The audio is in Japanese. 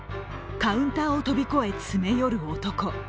カウンターを飛び越え詰め寄る男。